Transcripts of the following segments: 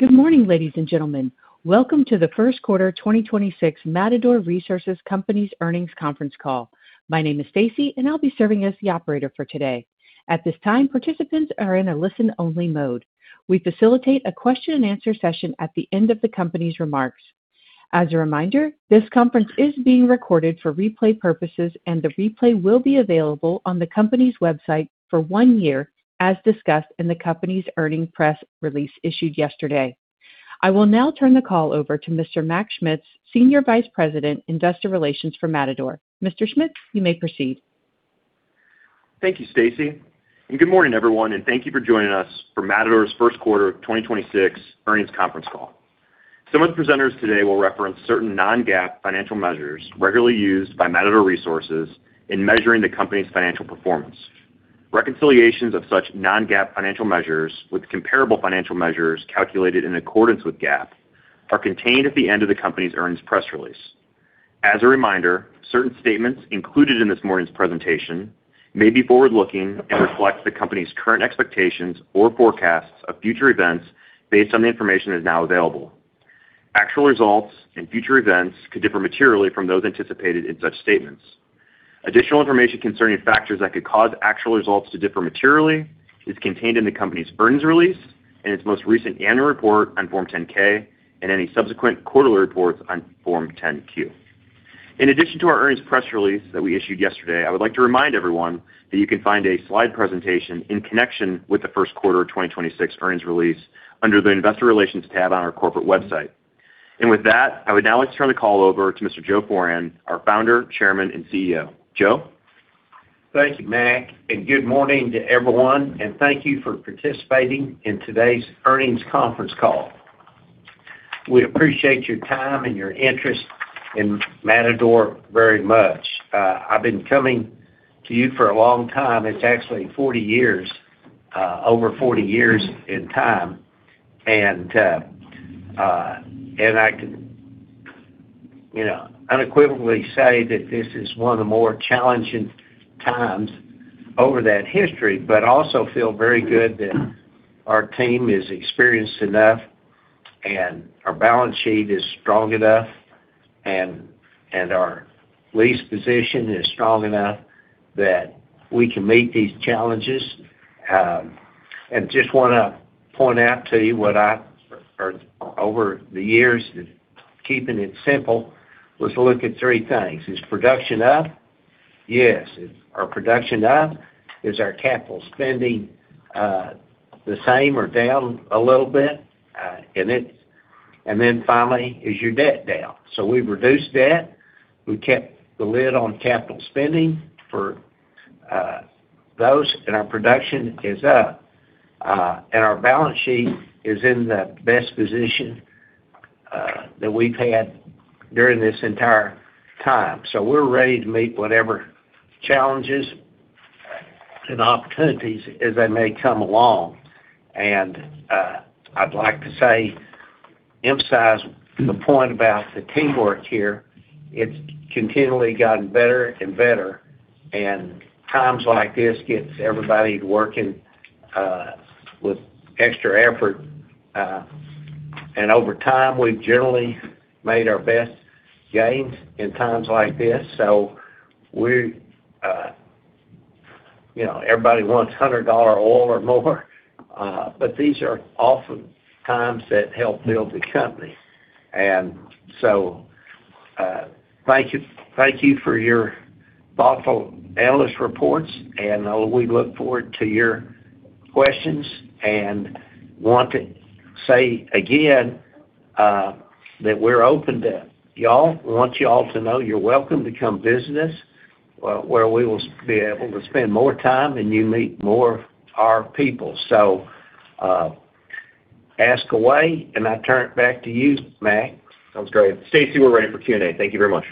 Good morning, ladies and gentlemen. Welcome to the first quarter 2026 Matador Resources Company earnings conference call. My name is Stacy, and I'll be serving as the operator for today. At this time, participants are in a listen-only mode. We facilitate a question-and-answer session at the end of the company's remarks. As a reminder, this conference is being recorded for replay purposes, and the replay will be available on the company's website for one year, as discussed in the company's earnings press release issued yesterday. I will now turn the call over to Mr. Mac Schmitz, Senior Vice President, Investor Relations for Matador. Mr. Schmitz, you may proceed. Thank you, Stacy. Good morning, everyone, and thank you for joining us for Matador's first quarter 2026 earnings conference call. Some of the presenters today will reference certain non-GAAP financial measures regularly used by Matador Resources in measuring the company's financial performance. Reconciliations of such non-GAAP financial measures with comparable financial measures calculated in accordance with GAAP are contained at the end of the company's earnings press release. As a reminder, certain statements included in this morning's presentation may be forward-looking and reflect the company's current expectations or forecasts of future events based on the information that is now available. Actual results and future events could differ materially from those anticipated in such statements. Additional information concerning factors that could cause actual results to differ materially is contained in the company's earnings release and its most recent annual report on Form 10-K and any subsequent quarterly reports on Form 10-Q. In addition to our earnings press release that we issued yesterday, I would like to remind everyone that you can find a slide presentation in connection with the first quarter of 2026 earnings release under the Investor Relations tab on our corporate website. With that, I would now like to turn the call over to Mr. Joe Foran, our Founder, Chairman, and CEO. Joe? Thank you, Mac. Good morning to everyone, and thank you for participating in today's earnings conference call. We appreciate your time and your interest in Matador very much. I've been coming to you for a long time. It's actually 40 years, over 40 years in time. I can, you know, unequivocally say that this is one of the more challenging times over that history, but also feel very good that our team is experienced enough and our balance sheet is strong enough and our lease position is strong enough that we can meet these challenges. Just wanna point out to you what I, or over the years, keeping it simple, was look at three things. Is production up? Yes. Is our production up? Is our capital spending the same or down a little bit? Finally, is your debt down? We've reduced debt. We kept the lid on capital spending for those, and our production is up. Our balance sheet is in the best position that we've had during this entire time. We're ready to meet whatever challenges and opportunities as they may come along. I'd like to say, emphasize the point about the teamwork here. It's continually gotten better and better, and times like this gets everybody working with extra effort. Over time, we've generally made our best gains in times like this. Everybody wants $100 oil or more, these are often times that help build the company. Thank you for your thoughtful analyst reports, and we look forward to your questions and want to say again that we're open to y'all. Want y'all to know you're welcome to come visit us, where we will be able to spend more time and you meet more of our people. Ask away, and I turn it back to you, Mac. Sounds great. Stacy, we're ready for Q&A. Thank you very much.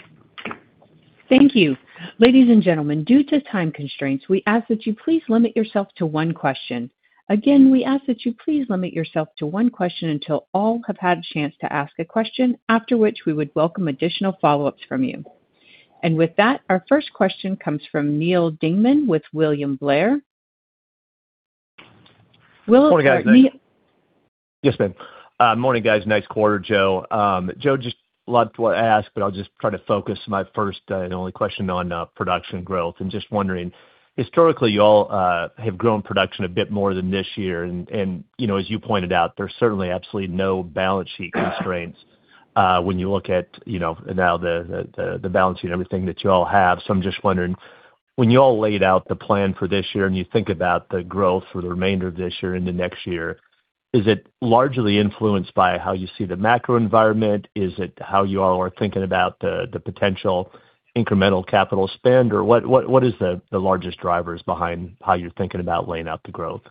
Thank you. Ladies and gentlemen, due to time constraints, we ask that you please limit yourself to one question. Again, we ask that you please limit yourself to one question until all have had a chance to ask a question, after which we would welcome additional follow-ups from you. Our first question comes from Neal Dingmann with William Blair. Yes, ma'am. Morning, guys. Nice quarter, Joe. Joe, just loved to ask, but I'll just try to focus my first and only question on production growth. Just wondering, historically, y'all have grown production a bit more than this year. You know, as you pointed out, there's certainly absolutely no balance sheet constraints when you look at, you know, now the balance sheet and everything that you all have. I'm just wondering, when you all laid out the plan for this year and you think about the growth for the remainder of this year into next year, is it largely influenced by how you see the macro environment? Is it how you all are thinking about the potential incremental capital spend? What is the largest drivers behind how you're thinking about laying out the growth?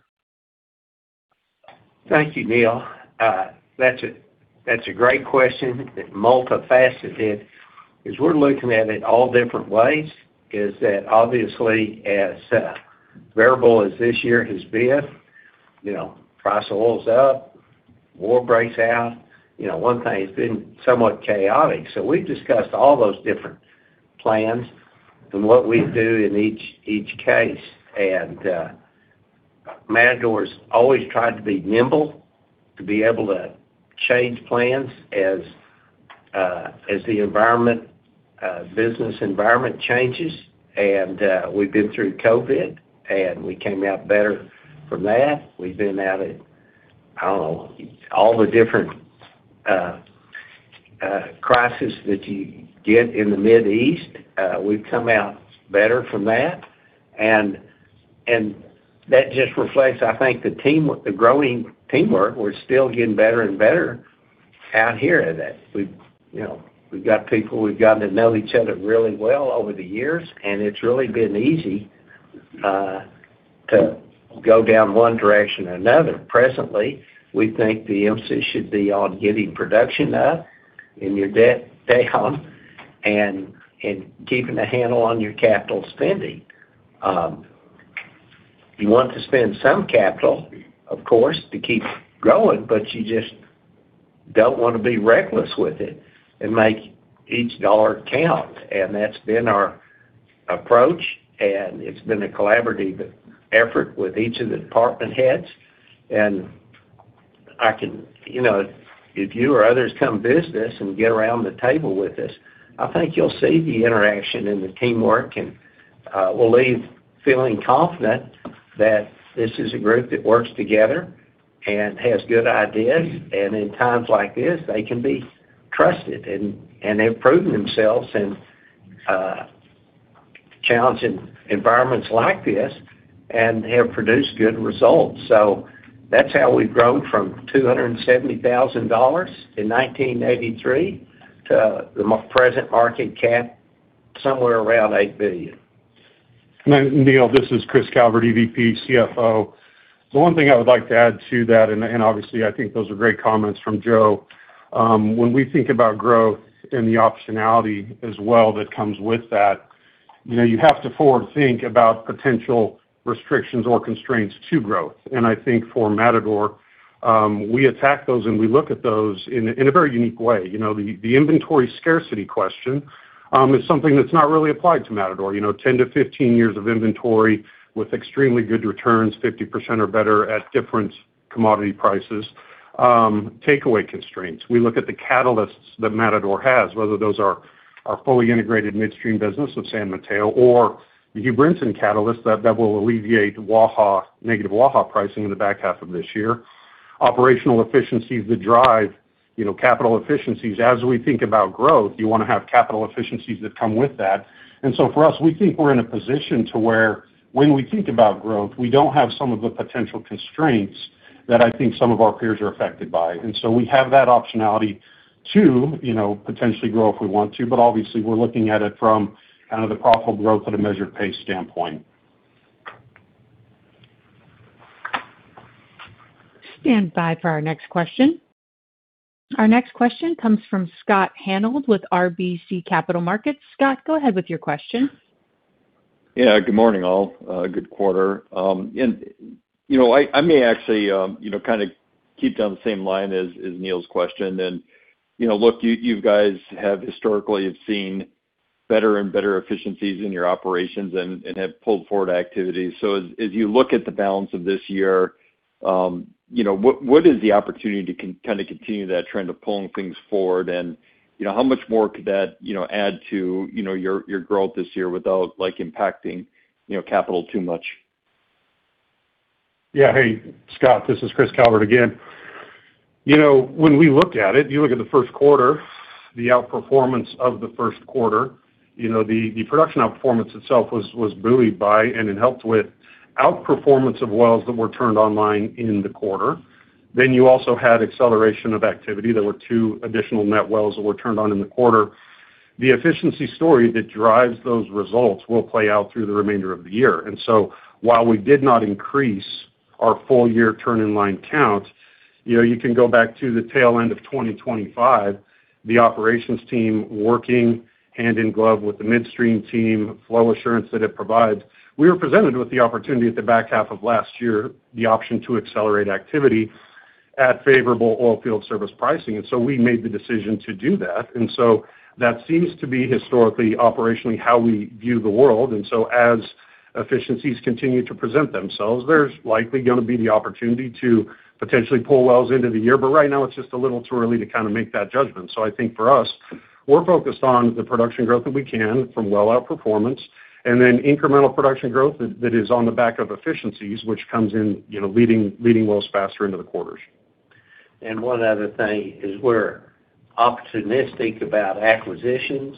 Thank you, Neal. That's a great question. It's multifaceted. As we're looking at it all different ways is that obviously as variable as this year has been, you know, price of oil's up, war breaks out. You know, one thing, it's been somewhat chaotic. We've discussed all those different plans. What we do in each case. Matador's always tried to be nimble, to be able to change plans as the environment, business environment changes. We've been through COVID, and we came out better from that. We've been at it, I don't know, all the different crisis that you get in the Mid East, we've come out better from that. That just reflects, I think, the team, the growing teamwork. We're still getting better and better out here that we, you know, we've got people, we've gotten to know each other really well over the years, and it's really been easy to go down one direction or another. Presently, we think the emphasis should be on getting production up and your debt down and keeping a handle on your capital spending. You want to spend some capital, of course, to keep growing, but you just don't want to be reckless with it, and make each dollar count. That's been our approach, and it's been a collaborative effort with each of the department heads. I can, you know, if you or others come visit us and get around the table with us, I think you'll see the interaction and the teamwork, we'll leave feeling confident that this is a group that works together and has good ideas. In times like this, they can be trusted. They've proven themselves in challenging environments like this and have produced good results. That's how we've grown from $270,000 in 1983 to the present market cap, somewhere around $8 billion. Neal, this is Chris Calvert, EVP, CFO. The one thing I would like to add to that, and obviously, I think those are great comments from Joe. When we think about growth and the optionality as well that comes with that, you know, you have to forward-think about potential restrictions or constraints to growth. I think for Matador, we attack those, and we look at those in a very unique way. You know, the inventory scarcity question is something that's not really applied to Matador. You know, 10 to 15 years of inventory with extremely good returns, 50% or better at different commodity prices. Takeaway constraints. We look at the catalysts that Matador has, whether those are our fully integrated midstream business of San Mateo or the Hugh Brinson catalyst that will alleviate Waha, negative Waha pricing in the back half of this year. Operational efficiencies that drive, you know, capital efficiencies. As we think about growth, you wanna have capital efficiencies that come with that. For us, we think we're in a position to where when we think about growth, we don't have some of the potential constraints that I think some of our peers are affected by. We have that optionality to, you know, potentially grow if we want to. Obviously, we're looking at it from kind of the profitable growth at a measured pace standpoint. Stand by for our next question. Our next question comes from Scott Hanold with RBC Capital Markets. Scott, go ahead with your question. Good morning, all. Good quarter. You know, I may actually, you know, kind of keep down the same line as Neal's question. You know, look, you guys have historically have seen better and better efficiencies in your operations and have pulled forward activities. As you look at the balance of this year, you know, what is the opportunity to kind of continue that trend of pulling things forward? You know, how much more could that, you know, add to, you know, your growth this year without, like, impacting, you know, capital too much? Yeah. Hey, Scott. This is Chris Calvert again. You know, when we look at it, you look at the first quarter, the outperformance of the first quarter. You know, the production outperformance itself was buoyed by, it helped with outperformance of wells that were turned online in the quarter. You also had acceleration of activity. There were two additional net wells that were turned on in the quarter. The efficiency story that drives those results will play out through the remainder of the year. While we did not increase our full-year turn in line count, you know, you can go back to the tail end of 2025, the operations team working hand in glove with the midstream team, flow assurance that it provides. We were presented with the opportunity at the back half of last year, the option to accelerate activity at favorable oil field service pricing. We made the decision to do that. That seems to be historically, operationally how we view the world. As efficiencies continue to present themselves, there's likely gonna be the opportunity to potentially pull wells into the year. Right now, it's just a little too early to kind of make that judgment. I think for us, we're focused on the production growth that we can from well outperformance and then incremental production growth that is on the back of efficiencies, which comes in, you know, leading wells faster into the quarters. One other thing is we're opportunistic about acquisitions.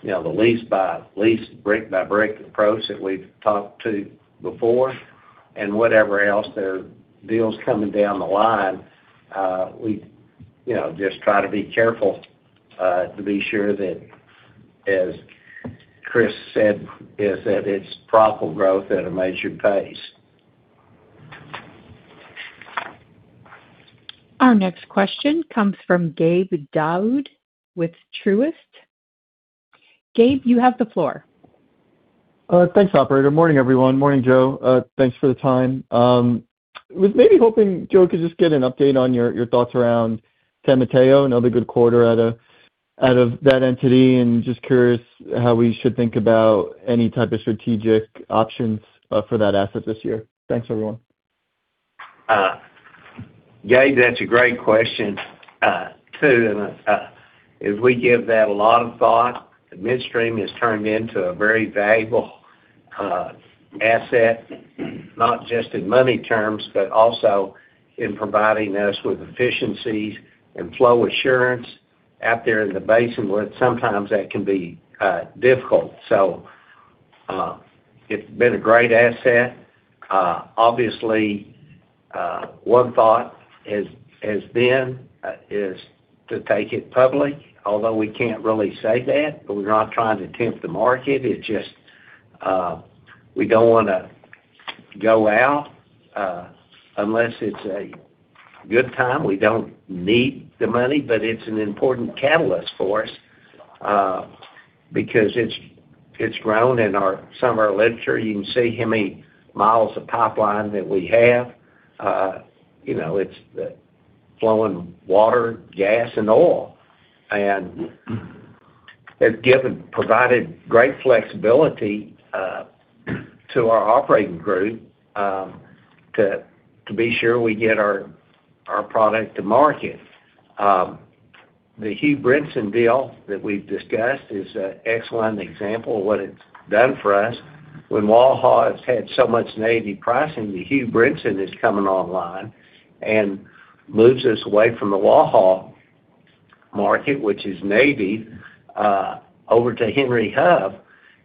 You know, the lease by lease, brick by brick approach that we've talked to before and whatever else there are deals coming down the line. We, you know, just try to be careful to be sure that, as Chris said, is that it's profitable growth at a measured pace. Our next question comes from Gabe Daoud with Truist. Gabe, you have the floor. Thanks, operator. Morning, everyone. Morning, Joe. Thanks for the time. Was maybe hoping, Joe, could just get an update on your thoughts around San Mateo, another good quarter out of that entity, and just curious how we should think about any type of strategic options for that asset this year. Thanks, everyone. Gabe, that's a great question. Too, as we give that a lot of thought, the midstream has turned into a very valuable asset, not just in money terms, but also in providing us with efficiencies and flow assurance out there in the basin where sometimes that can be difficult. It's been a great asset. Obviously, one thought has been is to take it public, although we can't really say that, but we're not trying to tempt the market. It's just, we don't wanna go out unless it's a good time. We don't need the money, but it's an important catalyst for us because it's grown, and some of our literature, you can see how many miles of pipeline that we have. You know, it's flowing water, gas, and oil. They've provided great flexibility to our operating group, to be sure we get our product to market. The Hugh Brinson deal that we've discussed is an excellent example of what it's done for us. When Waha has had so much negative pricing, the Hugh Brinson is coming online and moves us away from the Waha market, which is maybe, over to Henry Hub,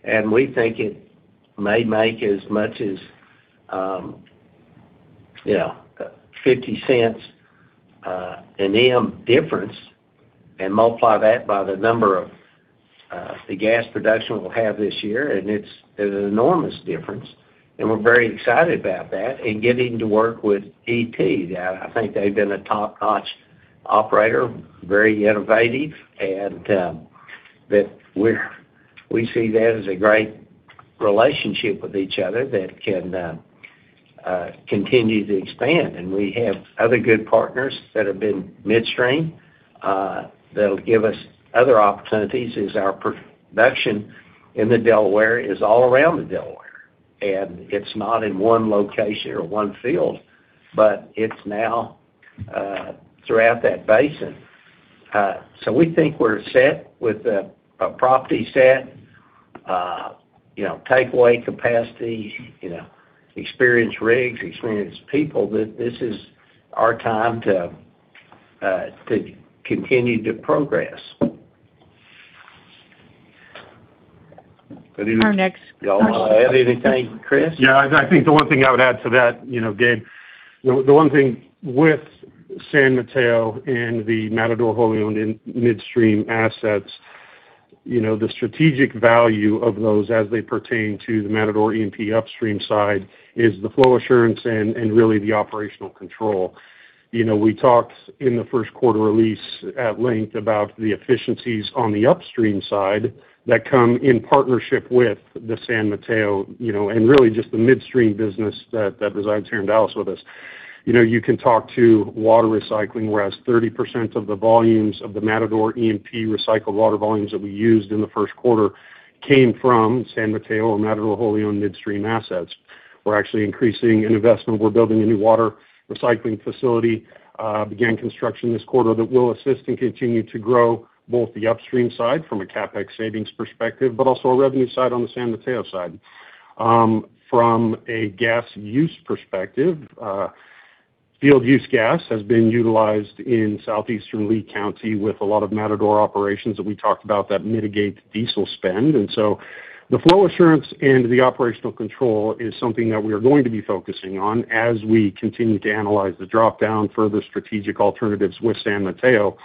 and we think it may make as much as, you know, $0.50 an M difference, and multiply that by the number of the gas production we'll have this year, and it's an enormous difference. We're very excited about that and getting to work with ET. Yeah, I think they've been a top-notch operator, very innovative, but we see that as a great relationship with each other that can continue to expand. We have other good partners that have been midstream, that'll give us other opportunities as our production in the Delaware is all around the Delaware. It's not in one location or one field, but it's now throughout that basin. We think we're set with a property set, you know, takeaway capacity, you know, experienced rigs, experienced people, that this is our time to continue to progress. Our next- You all want to add anything, Chris? I think the one thing I would add to that, Gabe, the one thing with San Mateo and the Matador wholly owned midstream assets, the strategic value of those as they pertain to the Matador E&P upstream side is the flow assurance and really the operational control. We talked in the first quarter release at length about the efficiencies on the upstream side that come in partnership with the San Mateo and really just the midstream business that resides here in Dallas with us. You can talk to water recycling, whereas 30% of the volumes of the Matador E&P recycled water volumes that we used in the first quarter came from San Mateo or Matador wholly owned midstream assets. We're actually increasing an investment. We're building a new water recycling facility, began construction this quarter that will assist and continue to grow both the upstream side from a CapEx savings perspective, but also a revenue side on the San Mateo side. From a gas use perspective, field use gas has been utilized in southeastern Lee County with a lot of Matador operations that we talked about that mitigate diesel spend. The flow assurance and the operational control is something that we are going to be focusing on as we continue to analyze the dropdown, further strategic alternatives with San Mateo.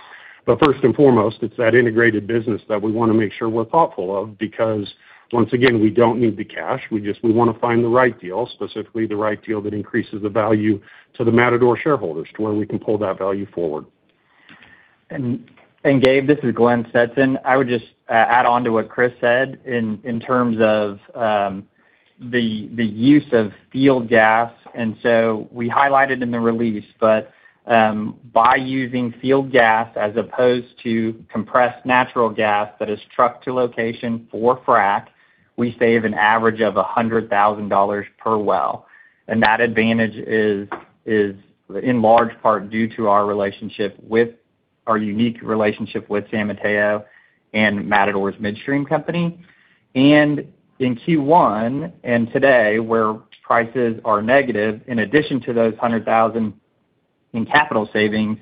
First and foremost, it's that integrated business that we wanna make sure we're thoughtful of, because once again, we don't need the cash. We wanna find the right deal, specifically the right deal that increases the value to the Matador shareholders to where we can pull that value forward. Gabe, this is Glenn Stetson. I would just add on to what Chris said in terms of the use of field gas. We highlighted in the release, but by using field gas as opposed to compressed natural gas that is trucked to location for frack, we save an average of $100,000 per well. That advantage is in large part due to our unique relationship with San Mateo and Matador's midstream company. In Q1 and today, where prices are negative, in addition to those $100,000 in capital savings,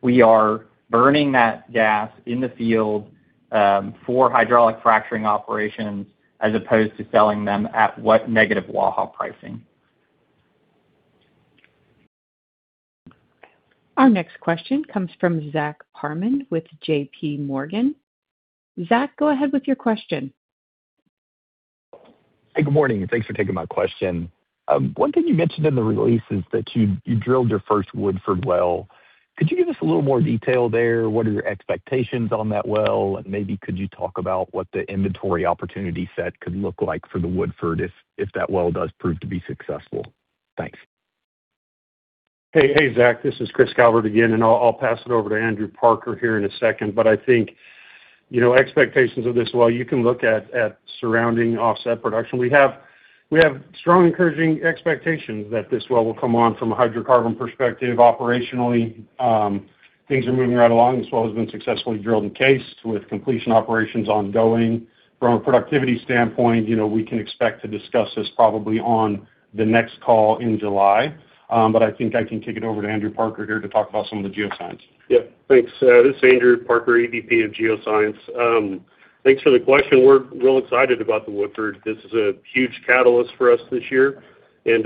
we are burning that gas in the field for hydraulic fracturing operations as opposed to selling them at what negative Waha pricing. Our next question comes from Zach Parham with JPMorgan. Zach, go ahead with your question. Hey, good morning. Thanks for taking my question. One thing you mentioned in the release is that you drilled your first Woodford well. Could you give us a little more detail there? What are your expectations on that well? Maybe could you talk about what the inventory opportunity set could look like for the Woodford if that well does prove to be successful? Thanks. Hey, hey, Zach, this is Chris Calvert again, and I'll pass it over to Andrew Parker here in a second. I think, you know, expectations of this well, you can look at surrounding offset production. We have strong encouraging expectations that this well will come on from a hydrocarbon perspective. Operationally, things are moving right along. This well has been successfully drilled and cased with completion operations ongoing. From a productivity standpoint, you know, we can expect to discuss this probably on the next call in July. I think I can kick it over to Andrew Parker here to talk about some of the geoscience. Yeah. Thanks. This is Andrew Parker, EVP of Geosciences. Thanks for the question. We're real excited about the Woodford. This is a huge catalyst for us this year. You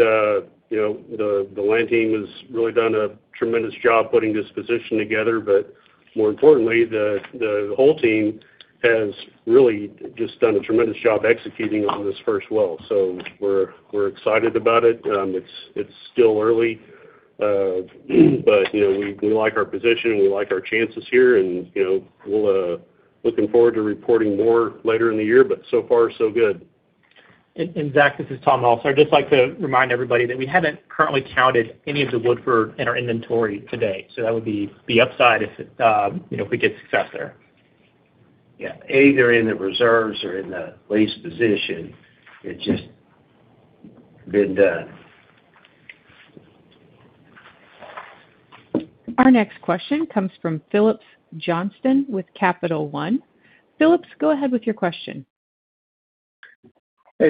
know, the land team has really done a tremendous job putting this position together. More importantly, the whole team has really just done a tremendous job executing on this first well. We're excited about it. It's still early, but, you know, we like our position, and we like our chances here, and, you know, we'll looking forward to reporting more later in the year, but so far so good. Zach, this is Tom also. I'd just like to remind everybody that we haven't currently counted any of the Woodford in our inventory today, that would be the upside if, you know, if we get success there. Yeah, they're in the reserves or in the lease position. It's just been done. Our next question comes from Phillips Johnston with Capital One. Phillips, go ahead with your question.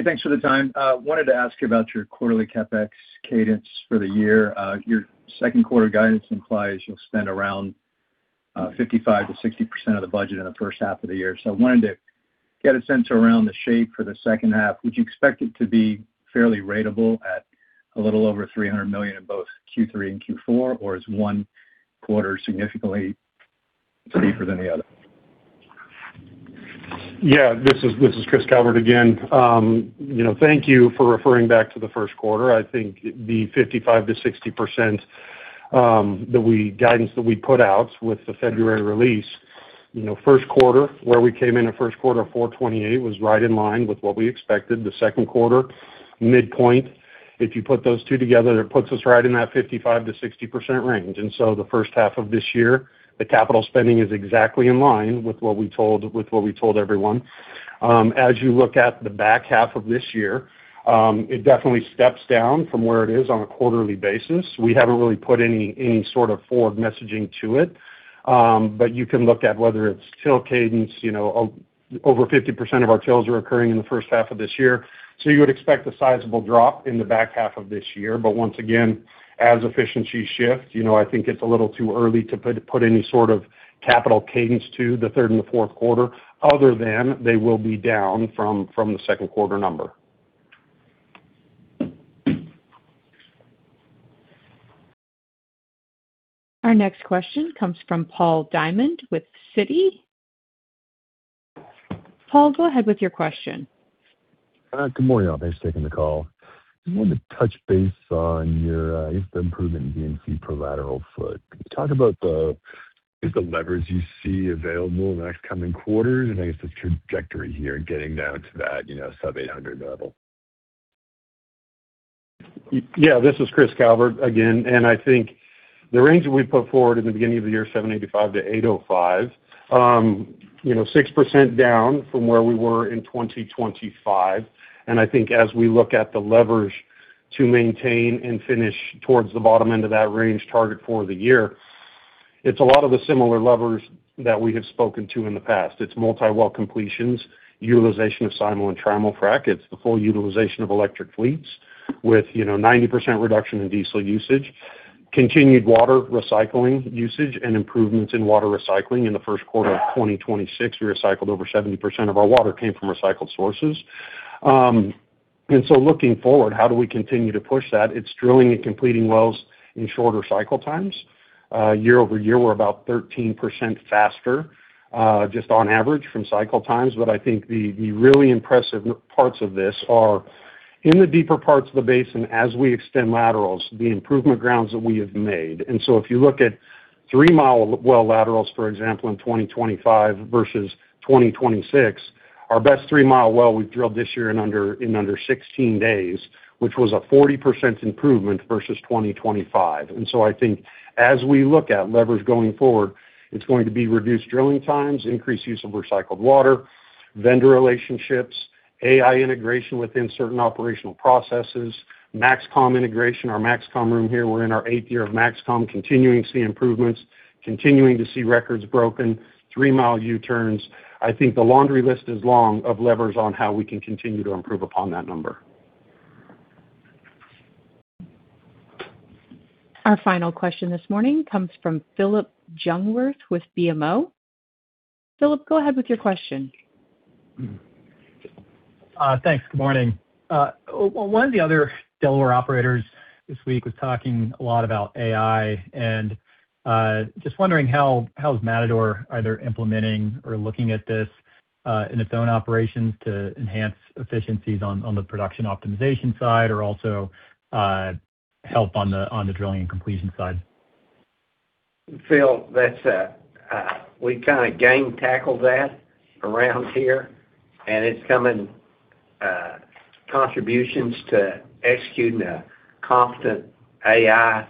Thanks for the time. I wanted to ask about your quarterly CapEx cadence for the year. Your second quarter guidance implies you'll spend around 55%-60% of the budget in the first half of the year. I wanted to get a sense around the shape for the second half. Would you expect it to be fairly ratable at a little over $300 million in both Q3 and Q4, or is one quarter significantly steeper than the other? This is Chris Calvert again. You know, thank you for referring back to the first quarter. I think the 55%-60% guidance that we put out with the February release, you know, first quarter, where we came in at first quarter, $428, was right in line with what we expected. The second quarter midpoint, if you put those two together, it puts us right in that 55%-60% range. The first half of this year, the capital spending is exactly in line with what we told everyone. As you look at the back half of this year, it definitely steps down from where it is on a quarterly basis. We haven't really put any sort of forward messaging to it. You can look at whether it's drill cadence. You know, over 50% of our drills are occurring in the first half of this year. You would expect a sizable drop in the back half of this year. Once again, as efficiency shifts, you know, I think it's a little too early to put any sort of capital cadence to the third and the fourth quarter, other than they will be down from the second quarter number. Our next question comes from Paul Diamond with Citi. Paul, go ahead with your question. Good morning, all. Thanks for taking the call. I wanted to touch base on your, I guess, the improvement in D&C per lateral foot. Can you talk about the, I guess, the levers you see available in the next coming quarters and, I guess, the trajectory here in getting down to that, you know, sub 800 level? Yeah, this is Chris Calvert again. I think the range that we put forward in the beginning of the year, 785 to 805, you know, 6% down from where we were in 2025. I think as we look at the levers to maintain and finish towards the bottom end of that range target for the year, it's a lot of the similar levers that we have spoken to in the past. It's multi-well completions, utilization of simul-frac and trimul-frac. It's the full utilization of electric fleets with, you know, 90% reduction in diesel usage, continued water recycling usage, and improvements in water recycling. In the first quarter of 2026, we recycled over 70% of our water came from recycled sources. Looking forward, how do we continue to push that? It's drilling and completing wells in shorter cycle times. Year-over-year, we're about 13% faster, just on average from cycle times. I think the really impressive parts of this are in the deeper parts of the basin as we extend laterals, the improvement grounds that we have made. If you look at three-mile well laterals, for example, in 2025 versus 2026, our best three-mile well we've drilled this year in under 16 days, which was a 40% improvement versus 2025. I think as we look at levers going forward, it's going to be reduced drilling times, increased use of recycled water, vendor relationships, AI integration within certain operational processes, MaxCom integration. Our MaxCom room here, we're in our eighth year of MaxCom, continuing to see improvements, continuing to see records broken, three-mile U-turns. I think the laundry list is long of levers on how we can continue to improve upon that number. Our final question this morning comes from Phillip Jungwirth with BMO. Phillip, go ahead with your question. Thanks. Good morning. Well, one of the other Delaware operators this week was talking a lot about AI. Just wondering how is Matador either implementing or looking at this in its own operations to enhance efficiencies on the production optimization side or also help on the drilling and completion side? Phil, that's, we kind of game tackle that around here, and it's coming, contributions to executing a competent AI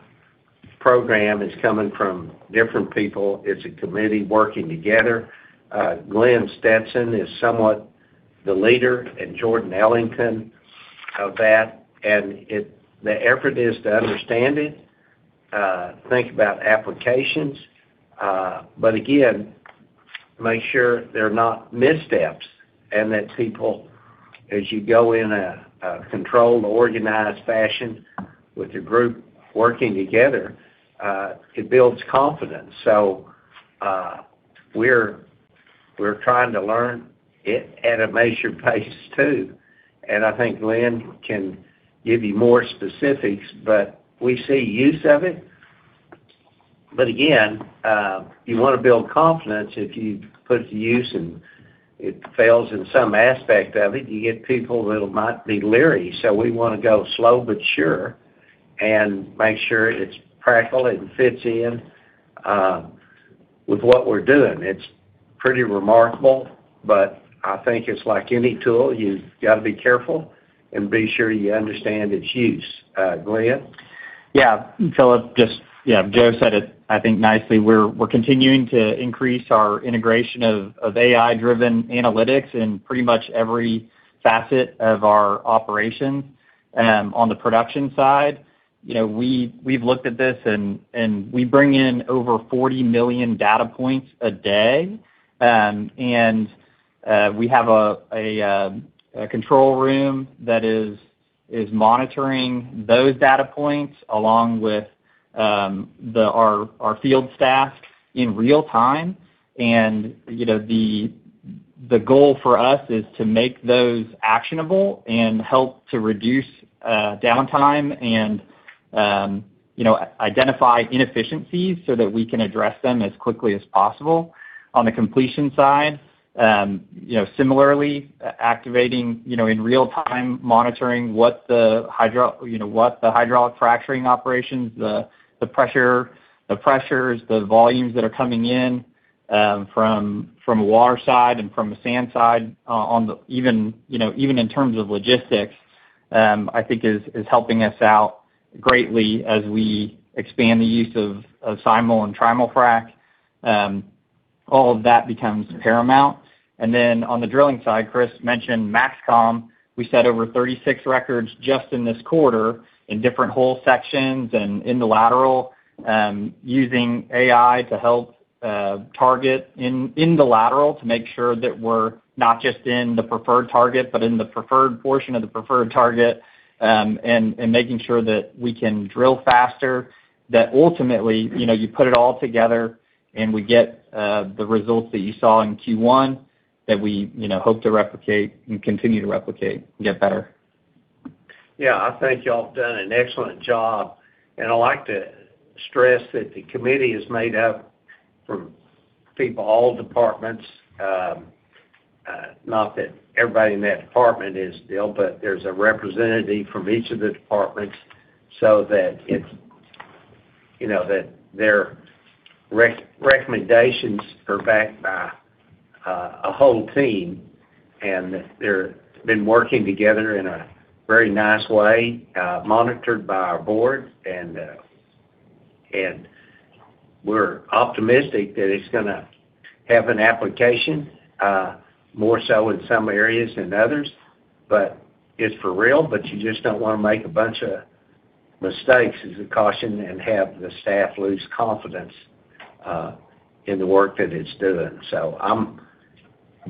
program is coming from different people. It's a committee working together. Glenn Stetson is somewhat the leader and Jordan Ellington of that. The effort is to understand it, think about applications, but again, make sure they're not missteps and that people, as you go in a controlled, organized fashion with the group working together, it builds confidence. We're trying to learn it at a measured pace too. I think Glenn can give you more specifics, but we see use of it. Again, you wanna build confidence. If you put it to use and it fails in some aspect of it, you get people that might be leery. We wanna go slow but sure, and make sure it's practical and fits in, with what we're doing. It's pretty remarkable, but I think it's like any tool. You've got to be careful and be sure you understand its use. Glenn? Yeah. Phillip just, Joe said it, I think nicely. We're continuing to increase our integration of AI-driven analytics in pretty much every facet of our operations. On the production side, you know, we've looked at this, and we bring in over 40 million data points a day. We have a control room that is monitoring those data points along with our field staff in real time. You know, the goal for us is to make those actionable and help to reduce downtime and, you know, identify inefficiencies so that we can address them as quickly as possible. On the completion side, you know, similarly, activating, you know, in real time, monitoring what the hydraulic fracturing operations, the pressures, the volumes that are coming in, from the water side and from the sand side, even, you know, even in terms of logistics, I think is helping us out greatly as we expand the use of simul-frac and trimul-frac. All of that becomes paramount. On the drilling side, Chris mentioned MaxCom. We set over 36 records just in this quarter in different hole sections and in the lateral, using AI to help target in the lateral to make sure that we're not just in the preferred target, but in the preferred portion of the preferred target, and making sure that we can drill faster. Ultimately, you know, you put it all together, and we get the results that you saw in Q1 that we, you know, hope to replicate and continue to replicate and get better. Yeah. I think y'all have done an excellent job. I like to stress that the committee is made up from people, all departments. Not that everybody in that department is, P, but there's a representative from each of the departments so that it's, you know, that their recommendations are backed by a whole team, and that they're been working together in a very nice way, monitored by our board. We're optimistic that it's gonna have an application, more so in some areas than others, but it's for real, but you just don't wanna make a bunch of mistakes as a caution and have the staff lose confidence, in the work that it's doing. I'm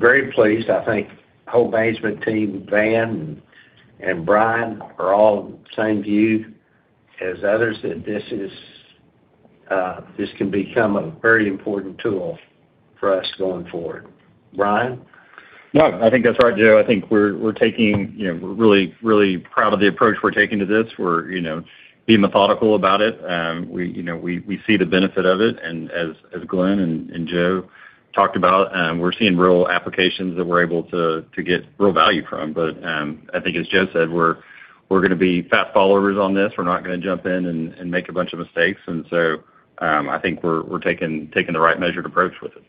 very pleased. I think the whole management team, Van and Brian, are all of the same view as others, that this is, this can become a very important tool for us going forward. Brian? No, I think that's right, Joe. I think we're taking, you know, we're really proud of the approach we're taking to this. We're, you know, being methodical about it. We, you know, we see the benefit of it. As Glenn and Joe talked about, we're seeing real applications that we're able to get real value from. I think as Joe said, we're gonna be fast followers on this. We're not gonna jump in and make a bunch of mistakes. I think we're taking the right measured approach with it.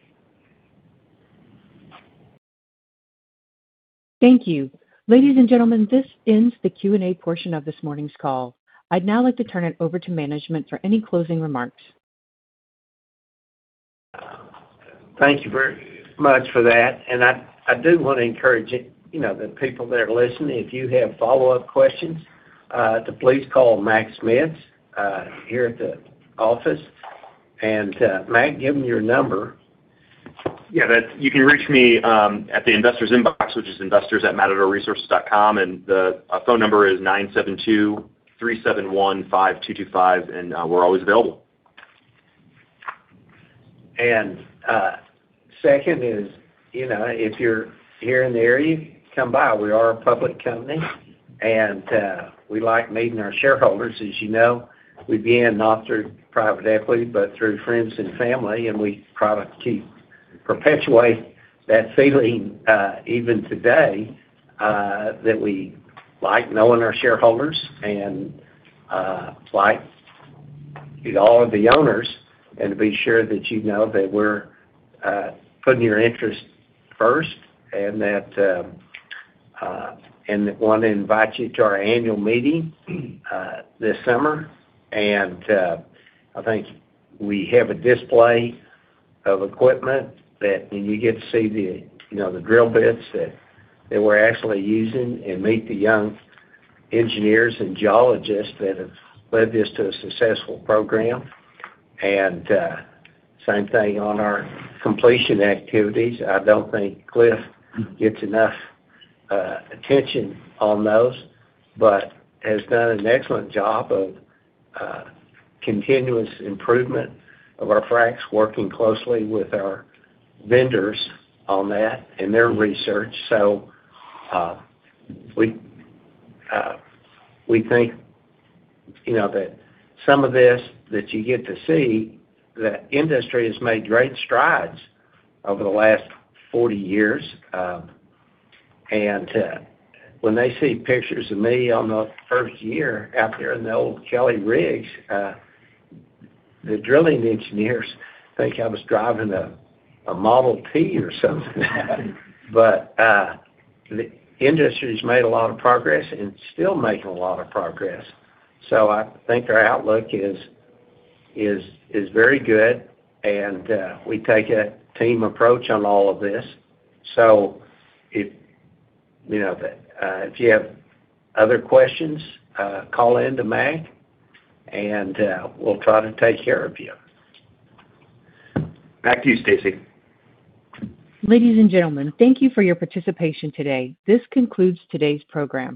Thank you. Ladies and gentlemen, this ends the Q&A portion of this morning's call. I'd now like to turn it over to management for any closing remarks. Thank you very much for that. I do wanna encourage, you know, the people that are listening, if you have follow-up questions, to please call Mac Schmitz here at the office. Mac, give them your number. You can reach me at the investors inbox, which is investors@matadorresources.com, and our phone number is 972-371-5225, and we're always available. Second is, you know, if you're here in the area, come by. We are a public company, and we like meeting our shareholders. As you know, we began not through private equity, but through friends and family, and we try to perpetuate that feeling even today that we like knowing our shareholders, and like with all of the owners, and to be sure that you know that we're putting your interests first, and that and want to invite you to our annual meeting this summer. I think we have a display of equipment that, and you get to see the, you know, the drill bits that we're actually using and meet the young engineers and geologists that have led this to a successful program. Same thing on our completion activities. I don't think Cliff gets enough attention on those, but has done an excellent job of continuous improvement of our fracs, working closely with our vendors on that and their research. We think, you know, that some of this that you get to see, the industry has made great strides over the last 40 years. When they see pictures of me on the first year out there in the old Kelly rigs, the drilling engineers think I was driving a Model T or something. The industry's made a lot of progress and still making a lot of progress. I think our outlook is very good, we take a team approach on all of this. If, you know, if you have other questions, call in to Mac, and, we'll try to take care of you. Back to you, Stacy. Ladies and gentlemen, thank you for your participation today. This concludes today's program.